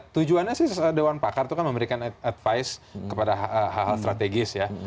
tujuannya sih dewan pakar itu kan memberikan advice kepada hal hal strategis ya